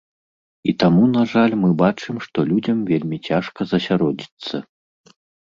І таму, на жаль, мы бачым, што людзям вельмі цяжка засяродзіцца.